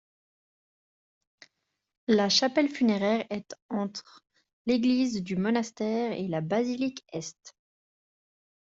La chapelle funéraire est entre l'église du monastère et la basilique Est.